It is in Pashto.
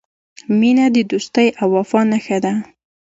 • مینه د دوستۍ او وفا نښه ده.